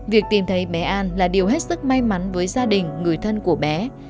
việc tìm thấy bé an là điều hết sức may mắn với gia đình người thân của bé